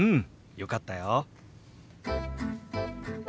よかったよ。